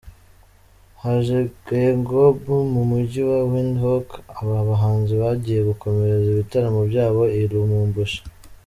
Hage Geingob mu Mujyi wa Windhoek aba bahanzi bagiye gukomereza ibitaramo byabo i Lubumbashi.